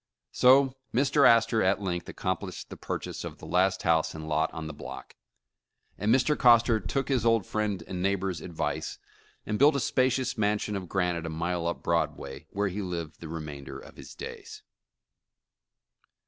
So Mr. Astor at length accomplished the purchase of the last house and lot on the block, and Mr, Coster took his old friend and neighbor's advice, and built a spacious mansion of granite a mile up Broadway, where he lived the remainder of his days.